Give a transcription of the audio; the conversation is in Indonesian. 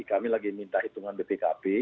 kami lagi minta hitungan bpkp